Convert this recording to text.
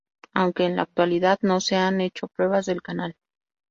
Aunque en la actualidad no sean echo pruebas del canal.